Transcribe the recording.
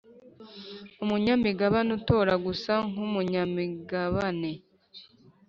Umunyamigabane utora gusa nk umunyamigabane